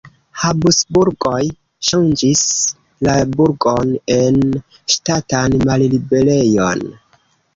Habsburgoj ŝanĝis la burgon en ŝtatan malliberejon.